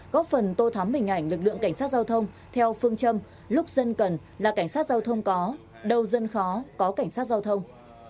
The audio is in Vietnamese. góp phần tô thắm hình ảnh lực lượng cảnh sát giao thông theo phương châm lúc dân cần là cảnh sát giao thông có đâu dân khó có cảnh sát giao thông